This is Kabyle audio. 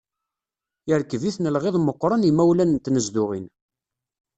Yerkeb-iten lɣiḍ meqqren yimawlan n tnezduɣin.